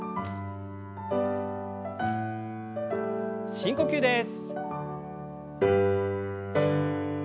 深呼吸です。